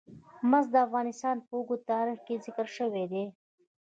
مس د افغانستان په اوږده تاریخ کې ذکر شوی دی.